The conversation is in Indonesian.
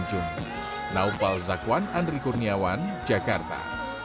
jangan lupa like share dan subscribe ya